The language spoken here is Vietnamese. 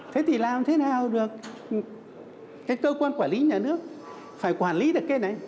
thế thì làm thế nào được cái cơ quan quản lý nhà nước phải quản lý được cái này